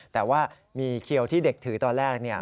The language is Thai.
แต่ว่ามีเขียวที่เด็กถือตอนแรกเนี่ย